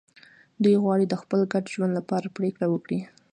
دوی غواړي د خپل ګډ ژوند لپاره پرېکړه وکړي.